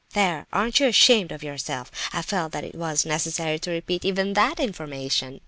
There! aren't you ashamed of yourself? I felt that it was necessary to repeat even that information."